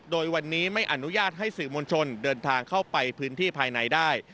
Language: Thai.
โดยวันนี้ไม่อนุญาตให้สื่อมวลชนเดินทางเข้าไปพื้นที่ภายในได้